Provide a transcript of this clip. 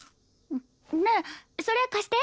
ねえそれ貸して。